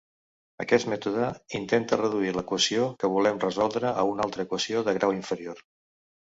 Aquest mètode intenta reduir l'equació que volem resoldre a una altra equació de grau inferior.